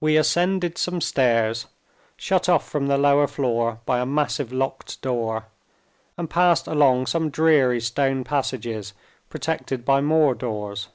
We ascended some stairs, shut off from the lower floor by a massive locked door, and passed along some dreary stone passages, protected by more doors.